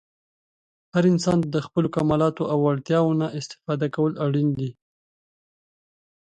هر انسان ته د خپلو کمالاتو او وړتیاوو نه استفاده کول اړین دي.